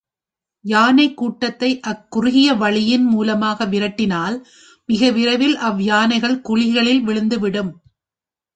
யானைக் கூட்டத்தை அக்குறுகிய வழியின் மூலமாக விரட்டினால், மிக விரைவில் அவ் யானைகள் குழிகளில் விழுந்துவிடும்.